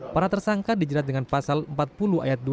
para tersangka dijerat dengan pasal empat puluh ayat dua